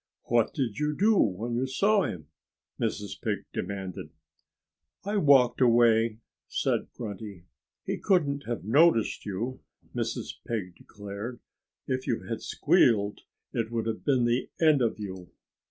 What did you do when you saw him?" Mrs. Pig demanded. "I walked away," said Grunty. "He couldn't have noticed you," Mrs. Pig declared. "If you had squealed it would have been the end of you."